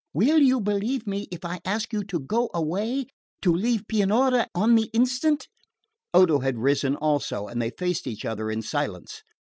"Will you believe me if I ask you to go away to leave Pianura on the instant?" Odo had risen also, and they faced each other in silence.